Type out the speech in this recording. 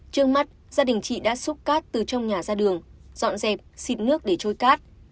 trước mắt gia đình chị đã xúc cát từ trong nhà ra đường dọn dẹp xịt nước để trôi cát